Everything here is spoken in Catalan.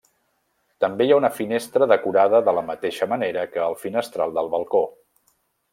També hi ha una finestra decorada de la mateixa manera que el finestral del balcó.